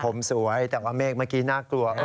ผมสวยแต่ว่าเมฆเมื่อกี้น่ากลัวครับ